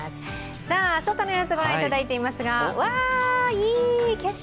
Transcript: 外の様子、ご覧いただいていますがいい景色！